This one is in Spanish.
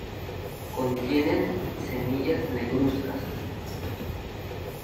Contienen semillas negruzcas.